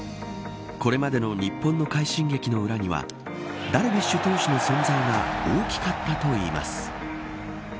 これまでの日本の快進撃の裏にはダルビッシュ投手の存在が大きかったといいます。